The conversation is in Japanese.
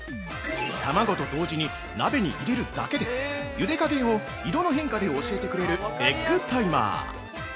◆卵と同時に鍋に入れるだけで茹で加減を色の変化で教えてくれるエッグタイマー。